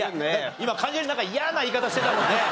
今完全に嫌な言い方してたもんね。